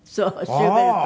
シューベルト。